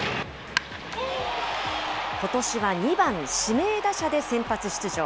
ことしは２番指名打者で先発出場。